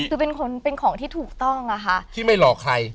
คือเป็นคนเป็นของที่ถูกต้องอะค่ะที่ไม่หลอกใคร